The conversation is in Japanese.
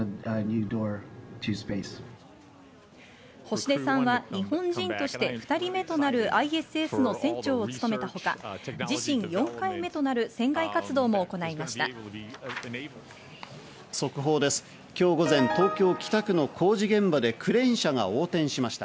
星出さんは日本人として２人目となるＩＳＳの船長を務めたほか、自身４回目となる船外活動も行いました。